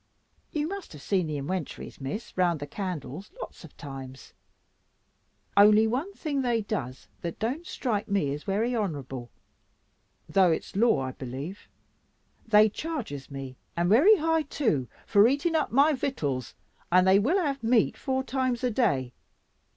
You must have seen the inwentories, Miss, round the candles lots of times. Only one thing they does that don't strike me as wery honourable, though it's law I b'lieve; they charges me, and wery high too, for eating up my victuals, and they will have meat four times a day.